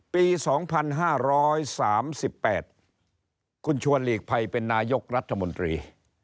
ปี๒๕๓๘คุณชวนหลีกภัยเป็นนายกรัฐมนตรี